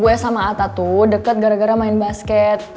gue sama atta tuh deket gara gara main basket